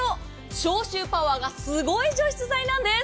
消臭パワーがすごい除湿剤なんです。